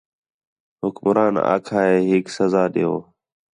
حکمران آکھا ہِے ہیک سزا ݙیؤ